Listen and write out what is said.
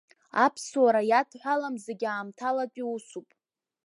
Аԥсуара иадҳәалам зегьы аамҭалатәи усуп.